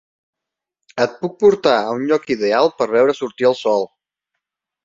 Et puc portar a un lloc ideal per veure sortir el sol.